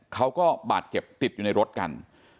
เขาก็บาดเจ็บติดอยู่ในรถกัน